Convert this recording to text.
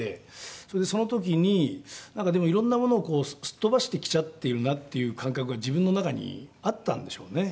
それでその時になんかでもいろんなものをこうすっ飛ばしてきちゃっているなっていう感覚が自分の中にあったんでしょうね。